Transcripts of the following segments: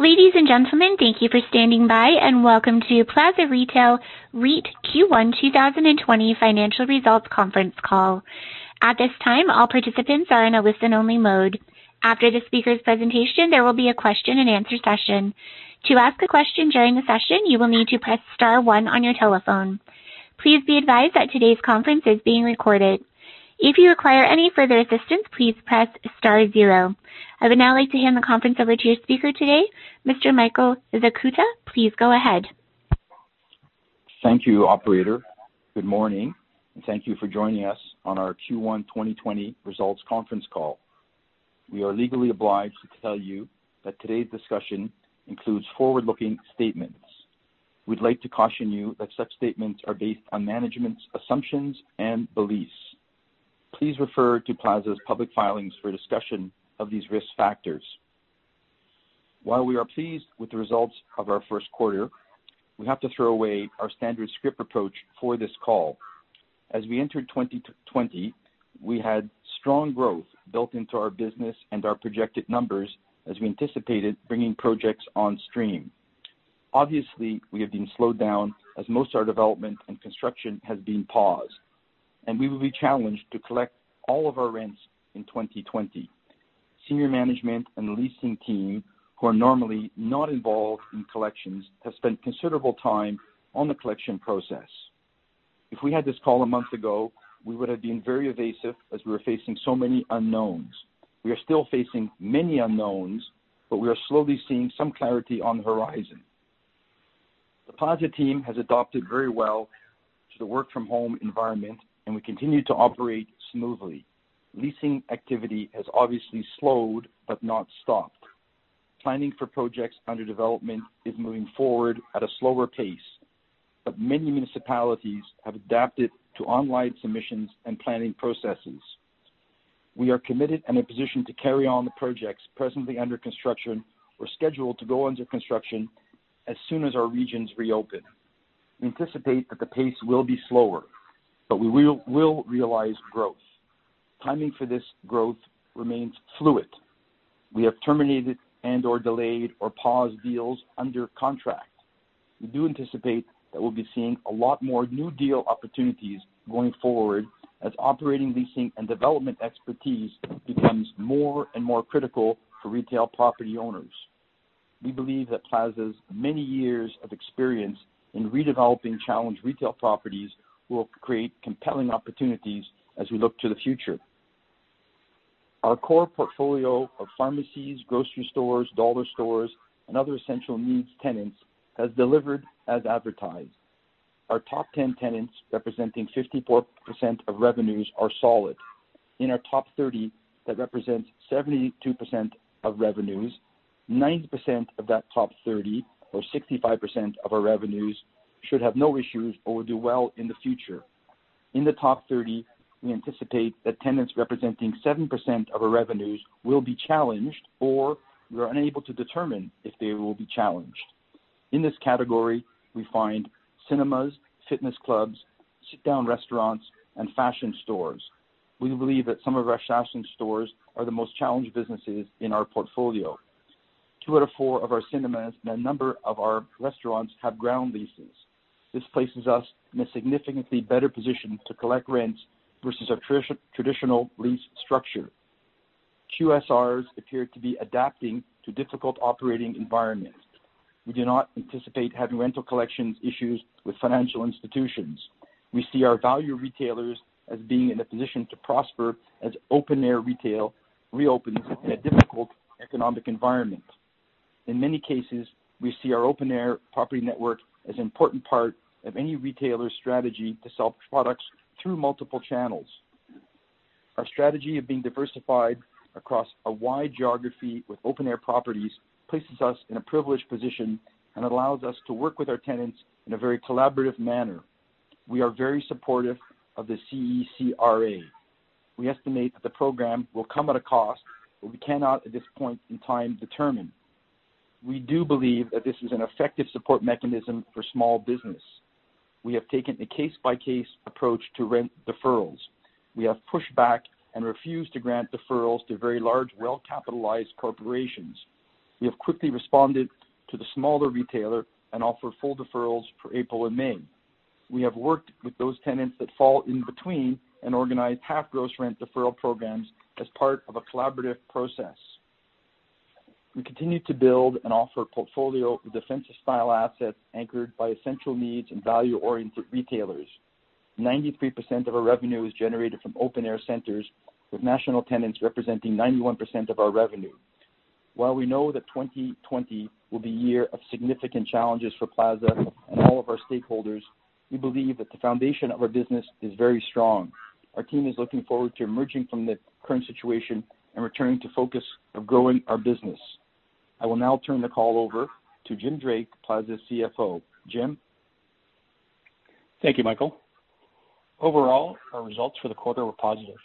Ladies and gentlemen, thank you for standing by, and welcome to Plaza Retail REIT Q1 2020 financial results conference call. At this time, all participants are in a listen-only mode. After the speaker's presentation, there will be a question and answer session. To ask a question during the session, you will need to press star one on your telephone. Please be advised that today's conference is being recorded. If you require any further assistance, please press star zero. I would now like to hand the conference over to your speaker today, Mr. Michael Zakuta. Please go ahead. Thank you, operator. Good morning, thank you for joining us on our Q1 2020 results conference call. We are legally obliged to tell you that today's discussion includes forward-looking statements. We'd like to caution you that such statements are based on management's assumptions and beliefs. Please refer to Plaza's public filings for a discussion of these risk factors. While we are pleased with the results of our first quarter, we have to throw away our standard script approach for this call. As we entered 2020, we had strong growth built into our business and our projected numbers as we anticipated bringing projects on stream. Obviously, we have been slowed down as most of our development and construction has been paused, and we will be challenged to collect all of our rents in 2020. Senior management and the leasing team, who are normally not involved in collections, have spent considerable time on the collection process. If we had this call a month ago, we would have been very evasive as we were facing so many unknowns. We are still facing many unknowns, but we are slowly seeing some clarity on the horizon. The Plaza team has adapted very well to the work from home environment, and we continue to operate smoothly. Leasing activity has obviously slowed but not stopped. Planning for projects under development is moving forward at a slower pace, but many municipalities have adapted to online submissions and planning processes. We are committed and in a position to carry on the projects presently under construction or scheduled to go under construction as soon as our regions reopen. We anticipate that the pace will be slower, but we will realize growth. Timing for this growth remains fluid. We have terminated and/or delayed or paused deals under contract. We do anticipate that we'll be seeing a lot more new deal opportunities going forward as operating, leasing, and development expertise becomes more and more critical for retail property owners. We believe that Plaza's many years of experience in redeveloping challenged retail properties will create compelling opportunities as we look to the future. Our core portfolio of pharmacies, grocery stores, dollar stores, and other essential needs tenants has delivered as advertised. Our top 10 tenants, representing 54% of revenues, are solid. In our top 30, that represents 72% of revenues, 90% of that top 30 or 65% of our revenues should have no issues or will do well in the future. In the top 30, we anticipate that tenants representing 7% of our revenues will be challenged, or we are unable to determine if they will be challenged. In this category, we find cinemas, fitness clubs, sit-down restaurants, and fashion stores. We believe that some of our fashion stores are the most challenged businesses in our portfolio. Two out of four of our cinemas and a number of our restaurants have ground leases. This places us in a significantly better position to collect rents versus a traditional lease structure. QSRs appear to be adapting to difficult operating environments. We do not anticipate having rental collections issues with financial institutions. We see our value retailers as being in a position to prosper as open-air retail reopens in a difficult economic environment. In many cases, we see our open-air property network as an important part of any retailer's strategy to sell products through multiple channels. Our strategy of being diversified across a wide geography with open-air properties places us in a privileged position and allows us to work with our tenants in a very collaborative manner. We are very supportive of the CECRA. We estimate that the program will come at a cost that we cannot at this point in time determine. We do believe that this is an effective support mechanism for small business. We have taken a case-by-case approach to rent deferrals. We have pushed back and refused to grant deferrals to very large, well-capitalized corporations. We have quickly responded to the smaller retailer and offer full deferrals for April and May. We have worked with those tenants that fall in between and organized half gross rent deferral programs as part of a collaborative process. We continue to build and offer a portfolio of defensive style assets anchored by essential needs and value-oriented retailers. 93% of our revenue is generated from open-air centers, with national tenants representing 91% of our revenue. While we know that 2020 will be a year of significant challenges for Plaza and all of our stakeholders, we believe that the foundation of our business is very strong. Our team is looking forward to emerging from the current situation and returning to focus of growing our business. I will now turn the call over to Jim Drake, Plaza's CFO. Jim? Thank you, Michael. Overall, our results for the quarter were positive.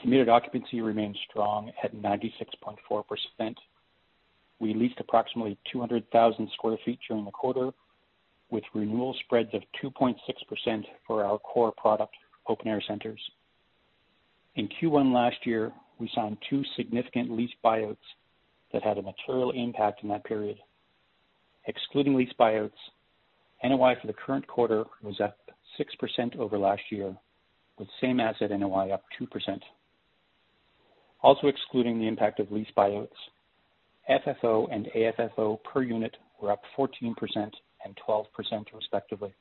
Committed occupancy remains strong at 96.4%. We leased approximately 200,000 sq ft during the quarter, with renewal spreads of 2.6% for our core product open-air centers. In Q1 last year, we signed two significant lease buyouts that had a material impact in that period. Excluding lease buyouts, NOI for the current quarter was up 6% over last year, with same-asset NOI up 2%. Also excluding the impact of lease buyouts, FFO and AFFO per unit were up 14% and 12%, respectively.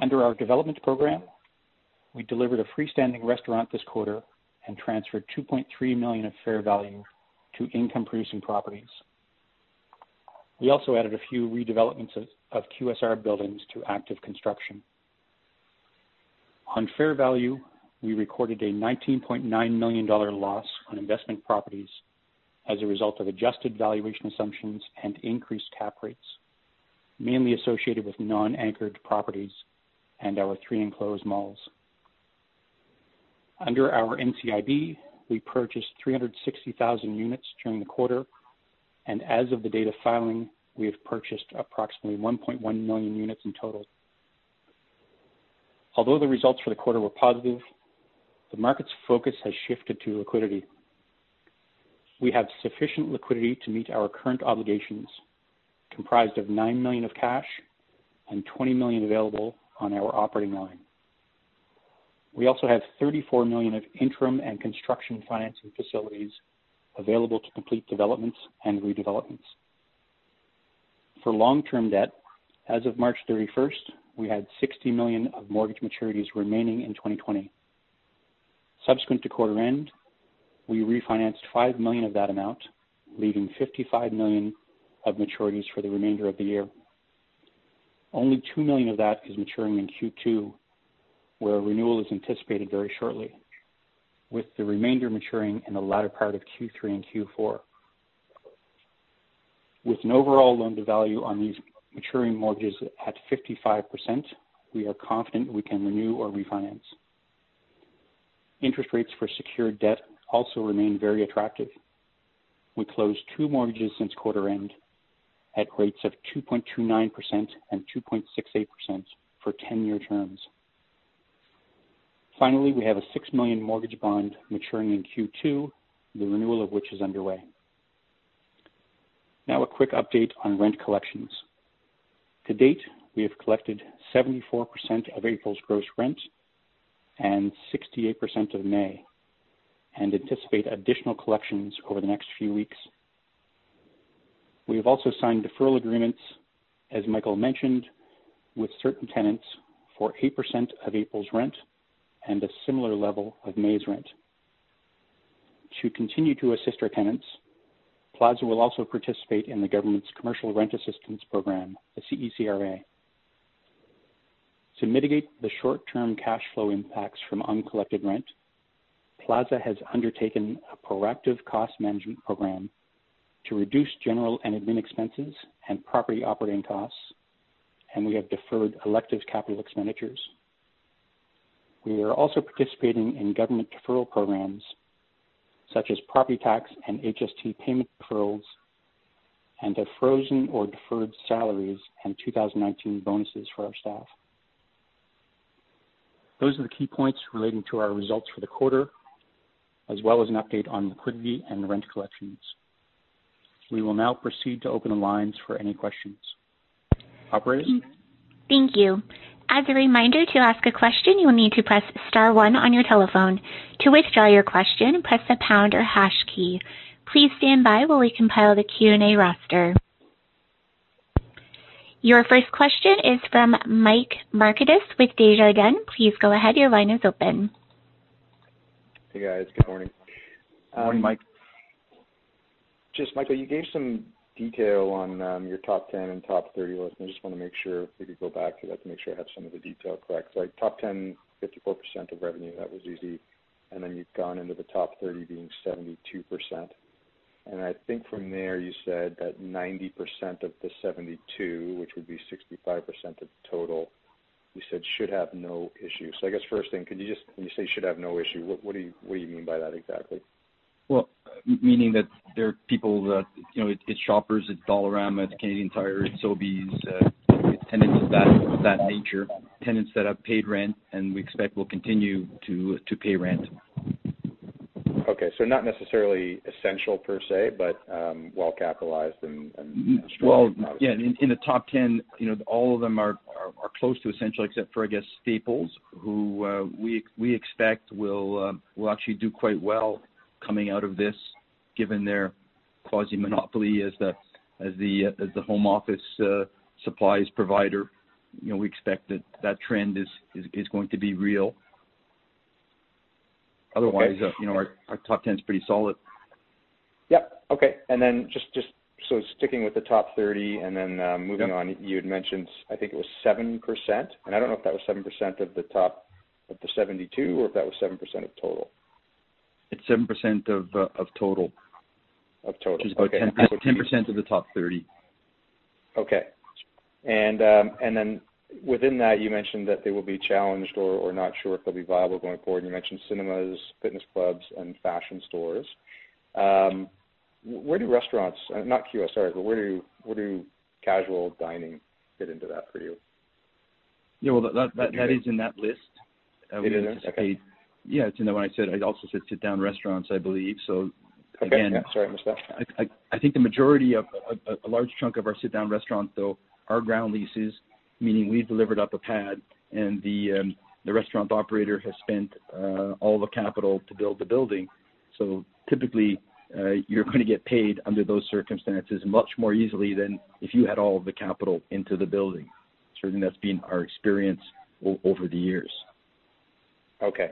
Under our development program, we delivered a freestanding restaurant this quarter and transferred 2.3 million of fair value to income-producing properties. We also added a few redevelopments of QSR buildings to active construction. On fair value, we recorded a 19.9 million dollar loss on investment properties as a result of adjusted valuation assumptions and increased cap rates, mainly associated with non-anchored properties and our three enclosed malls. Under our NCIB, we purchased 360,000 units during the quarter, and as of the date of filing, we have purchased approximately 1.1 million units in total. Although the results for the quarter were positive, the market's focus has shifted to liquidity. We have sufficient liquidity to meet our current obligations, comprised of 9 million of cash and 20 million available on our operating line. We also have 34 million of interim and construction financing facilities available to complete developments and redevelopments. For long-term debt, as of March 31st, we had 60 million of mortgage maturities remaining in 2020. Subsequent to quarter end, we refinanced 5 million of that amount, leaving 55 million of maturities for the remainder of the year. Only 2 million of that is maturing in Q2, where a renewal is anticipated very shortly, with the remainder maturing in the latter part of Q3 and Q4. With an overall loan-to-value on these maturing mortgages at 55%, we are confident we can renew or refinance. Interest rates for secured debt also remain very attractive. We closed two mortgages since quarter end at rates of 2.29% and 2.68% for 10-year terms. Finally, we have a 6 million mortgage bond maturing in Q2, the renewal of which is underway. Now a quick update on rent collections. To date, we have collected 74% of April's gross rent and 68% of May, and anticipate additional collections over the next few weeks. We have also signed deferral agreements, as Michael mentioned, with certain tenants for 8% of April's rent and a similar level of May's rent. To continue to assist our tenants, Plaza will also participate in the government's Commercial Rent Assistance program, the CECRA. To mitigate the short-term cash flow impacts from uncollected rent, Plaza has undertaken a proactive cost management program to reduce general and admin expenses and property operating costs, and we have deferred elective capital expenditures. We are also participating in government deferral programs such as property tax and HST payment deferrals, and have frozen or deferred salaries and 2019 bonuses for our staff. Those are the key points relating to our results for the quarter, as well as an update on liquidity and rent collections. We will now proceed to open the lines for any questions. Operator? Thank you. As a reminder, to ask a question, you will need to press star one on your telephone. To withdraw your question, press the pound or hash key. Please stand by while we compile the Q&A roster. Your first question is from Mike Markidis with Desjardins again. Please go ahead, your line is open. Hey, guys. Good morning. Morning, Mike. Michael, you gave some detail on your top 10 and top 30 list. I just want to make sure if we could go back to that to make sure I have some of the detail correct. Top 10, 54% of revenue, that was easy. Then you've gone into the top 30 being 72%. I think from there you said that 90% of the 72%, which would be 65% of the total, you said should have no issue. I guess first thing, when you say should have no issue, what do you mean by that exactly? Well, meaning that they're people that, it's Shoppers, it's Dollarama, it's Canadian Tire, it's Sobeys, it's tenants of that nature. Tenants that have paid rent, and we expect will continue to pay rent. Okay. Not necessarily essential per se, but well-capitalized and strong tenants. Well, yeah, in the top 10, all of them are close to essential except for, I guess, Staples, who we expect will actually do quite well coming out of this given their quasi-monopoly as the home office supplies provider. We expect that that trend is going to be real. Okay Our top 10's pretty solid. Yep. Okay. Just sticking with the top 30 and then moving on. Yep. You had mentioned, I think it was 7%, and I don't know if that was 7% of the top of the 72% or if that was 7% of total. It's 7% of total. Of total. Okay. Which is about 10% of the top 30. Okay. Within that, you mentioned that they will be challenged or not sure if they'll be viable going forward, and you mentioned cinemas, fitness clubs, and fashion stores. Where do restaurants, not QSR, but where do casual dining fit into that for you? Yeah. That is in that list. It is? Okay. Yeah. When I said, I also said sit-down restaurants, I believe. Okay. Yeah, sorry, I missed that. I think a large chunk of our sit-down restaurants, though, are ground leases, meaning we've delivered up a pad and the restaurant operator has spent all the capital to build the building. Typically, you're going to get paid under those circumstances much more easily than if you had all of the capital into the building. Certainly, that's been our experience over the years. Okay.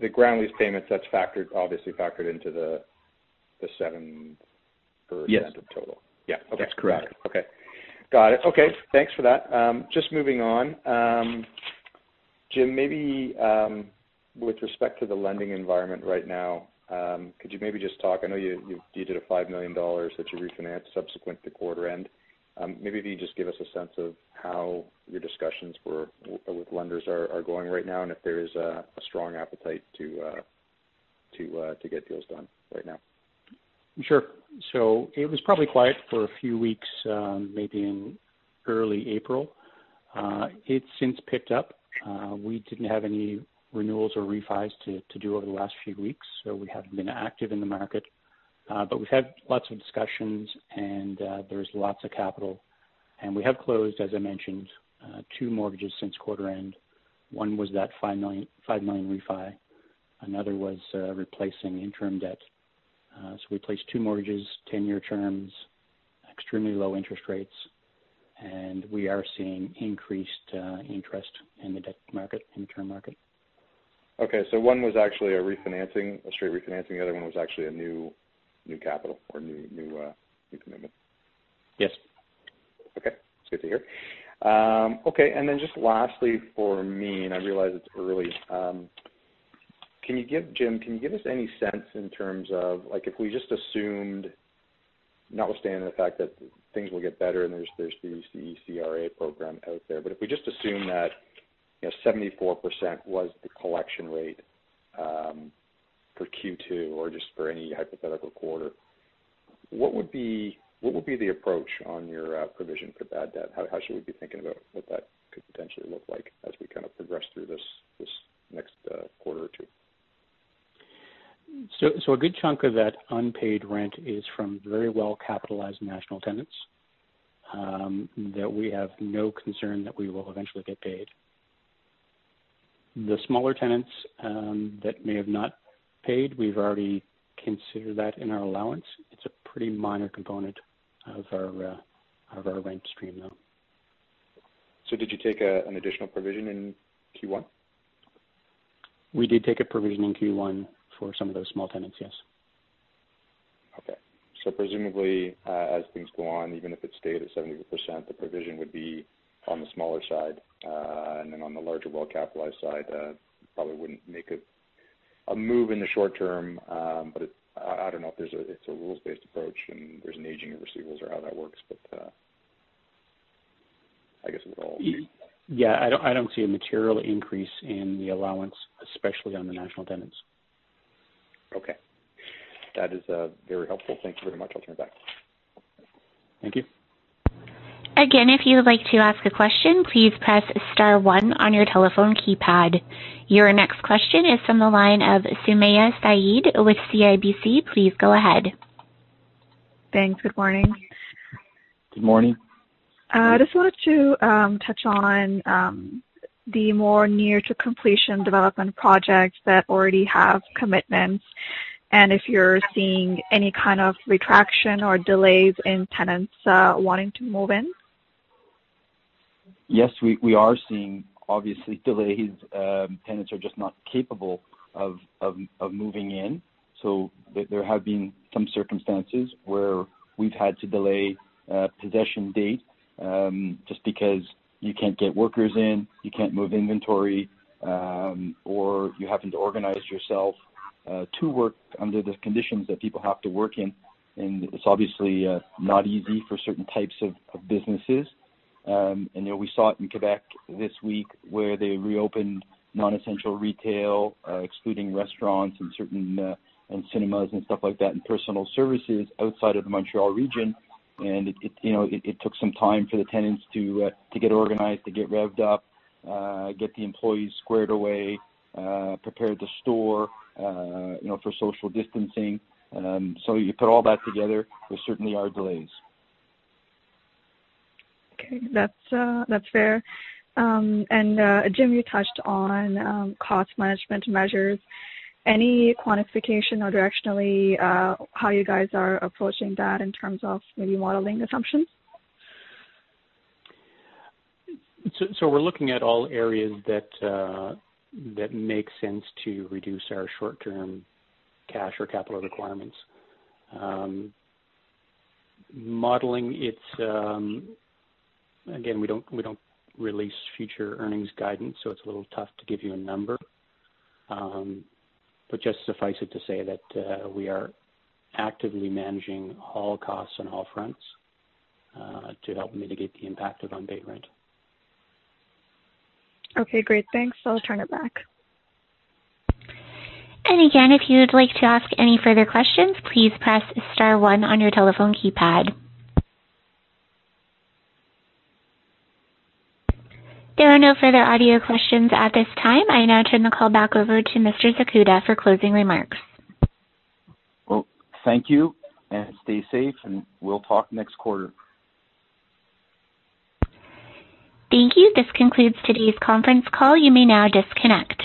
The ground lease payments, that's obviously factored into the 7% of total. Yes. Yeah. Okay. That's correct. Okay. Got it. Okay. Thanks for that. Just moving on. Jim, maybe with respect to the lending environment right now, could you maybe just talk, I know you did a 5 million dollars that you refinanced subsequent to quarter end. Maybe if you just give us a sense of how your discussions with lenders are going right now, and if there is a strong appetite to get deals done right now. Sure. It was probably quiet for a few weeks, maybe in early April. It since picked up. We didn't have any renewals or refis to do over the last few weeks, so we haven't been active in the market. We've had lots of discussions and there's lots of capital, and we have closed, as I mentioned, two mortgages since quarter end. One was that 5 million refi. Another was replacing interim debt. We placed two mortgages, 10-year terms, extremely low interest rates, and we are seeing increased interest in the debt market, interim market. Okay, one was actually a refinancing, a straight refinancing. The other one was actually a new capital or new commitment. Yes. Okay. That's good to hear. Okay. Just lastly for me, and I realize it's early. Jim, can you give us any sense in terms of, if we just assumed notwithstanding the fact that things will get better and there's the CECRA program out there, but if we just assume that 74% was the collection rate for Q2 or just for any hypothetical quarter, what would be the approach on your provision for bad debt? How should we be thinking about what that could potentially look like as we progress through this next quarter or two? A good chunk of that unpaid rent is from very well-capitalized national tenants that we have no concern that we will eventually get paid. The smaller tenants that may have not paid, we've already considered that in our allowance. It's a pretty minor component of our rent stream, though. Did you take an additional provision in Q1? We did take a provision in Q1 for some of those small tenants, yes. Presumably, as things go on, even if it stayed at 70%, the provision would be on the smaller side. On the larger, well-capitalized side, probably wouldn't make a move in the short term. I don't know if it's a rules-based approach and there's an aging of receivables or how that works. Yeah, I don't see a material increase in the allowance, especially on the national tenants. Okay. That is very helpful. Thank you very much. I'll turn it back. Thank you. Again, if you would like to ask a question, please press star one on your telephone keypad. Your next question is from the line of Sumayya Syed with CIBC. Please go ahead. Thanks. Good morning. Good morning. I just wanted to touch on the more near-to-completion development projects that already have commitments and if you're seeing any kind of retraction or delays in tenants wanting to move in. Yes, we are seeing, obviously, delays. Tenants are just not capable of moving in. There have been some circumstances where we've had to delay possession date just because you can't get workers in, you can't move inventory, or you're having to organize yourself to work under the conditions that people have to work in. It's obviously not easy for certain types of businesses. We saw it in Quebec this week where they reopened non-essential retail, excluding restaurants and cinemas and stuff like that, and personal services outside of the Montreal region. It took some time for the tenants to get organized, to get revved up, get the employees squared away, prepare the store for social distancing. You put all that together, there certainly are delays. Okay. That's fair. Jim, you touched on cost management measures. Any quantification or directionally how you guys are approaching that in terms of maybe modeling assumptions? We're looking at all areas that make sense to reduce our short-term cash or capital requirements. Modeling, again, we don't release future earnings guidance, so it's a little tough to give you a number. Just suffice it to say that we are actively managing all costs on all fronts to help mitigate the impact of unpaid rent. Okay, great. Thanks. I'll turn it back. Again, if you would like to ask any further questions, please press star one on your telephone keypad. There are no further audio questions at this time. I now turn the call back over to Mr. Zakuta for closing remarks. Well, thank you, and stay safe, and we'll talk next quarter. Thank you. This concludes today's conference call. You may now disconnect.